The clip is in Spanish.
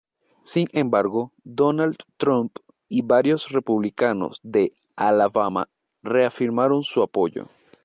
Sin embargo, Donald Trump y varios republicanos de Alabama reafirmaron su apoyo.